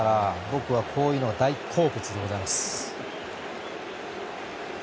僕はこういうのが大好物でございます。